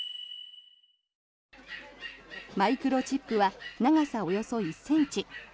マイクロチップは長さおよそ１ｃｍ。